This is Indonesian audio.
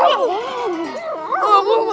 hai hai hingga b penyakit